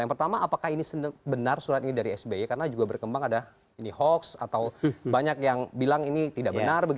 yang pertama apakah ini benar surat ini dari sby karena juga berkembang ada hoax atau banyak yang bilang ini tidak benar